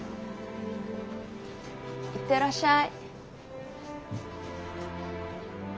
行ってらっしゃい。